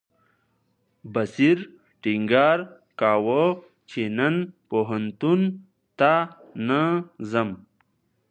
بصیر ټینګار کاوه چې نن پوهنتون ته نه ځم.